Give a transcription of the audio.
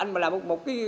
anh mà làm một cái